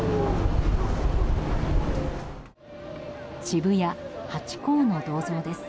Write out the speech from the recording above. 渋谷、ハチ公の銅像です。